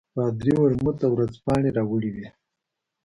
پادري ورموت او ورځپاڼې راوړې وې.